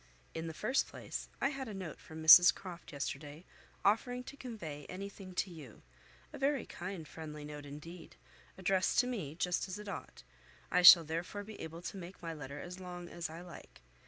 In the first place, I had a note from Mrs Croft yesterday, offering to convey anything to you; a very kind, friendly note indeed, addressed to me, just as it ought; I shall therefore be able to make my letter as long as I like.